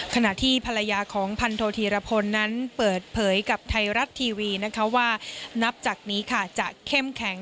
ขณะที่ภรรยาของพันโทธีรพลนั้นเปิดเผยกับไทยรัฐทีวีนะคะว่านับจากนี้ค่ะจะเข้มแข็ง